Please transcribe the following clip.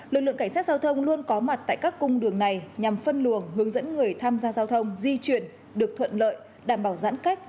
lực lượng cảnh sát giao thông luôn có mặt tại các cung đường này nhằm phân luồng hướng dẫn người tham gia giao thông di chuyển được thuận lợi đảm bảo giãn cách